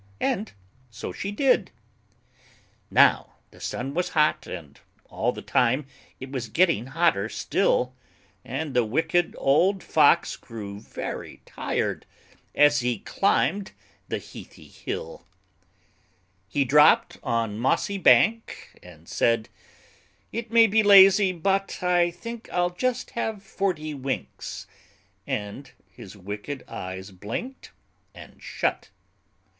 And so she did. Now the sun was hot, and all the time It was getting hotter still; And the Wicked Old Fox grew very tired As he climbed the heathy hill. He dropped on mossy bank, and said "It may be lazy but I think I'll just have forty winks," And his wicked eyes blinked and shut.